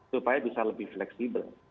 supaya bisa lebih fleksibel